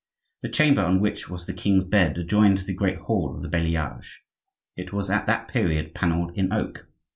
The chamber in which was the king's bed adjoined the great hall of the Bailliage. It was at that period panelled in oak.